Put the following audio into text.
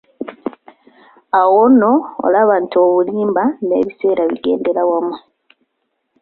Awo nno olaba nti obulimba n'ebiseera bigendera wamu.